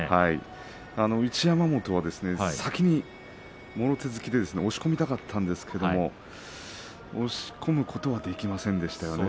一山本は先にもろ手突きで押し込みたかったんですが押し込むことができませんでした。